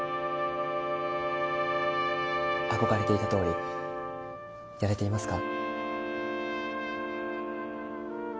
憧れていたとおりやれていますか？